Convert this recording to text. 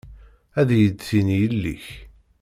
Ad iyi-d-tini yelli-k.